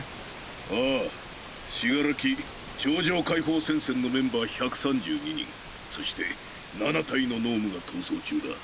ああ死柄木超常解放戦線のメンバー１３２人そして７体の脳無が逃走中だ。